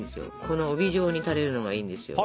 この帯状に垂れるのがいいんですよ。